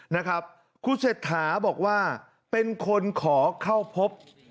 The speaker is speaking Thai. นะครับคุณเศรษฐาบอกว่าเป็นคนขอเข้าพบ